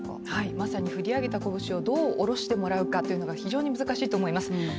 まさに振り上げた拳をどう下ろしてもらうのかが難しいと思います。